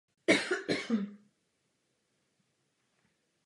To je mé jediné přání.